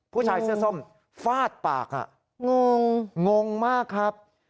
ผู้ชายเสื้อส้มฟาดปากงงงมากครับ